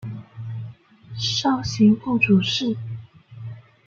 授刑部主事。